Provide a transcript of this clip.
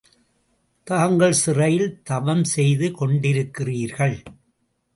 தாங்கள் சிறையில் தவம் செய்து கொண்டிருக்கிறீர்கள்.